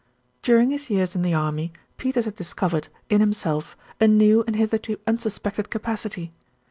During his years in the army, Peters had discovered in himself a new and hitherto unsuspected capacity.